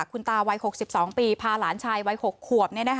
คุณตาวัย๖๒ปีพาหลานชายวัย๖ขวบ